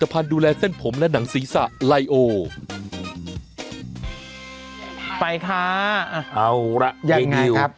ไปค่ะยังไงครับเอาล่ะเยดิว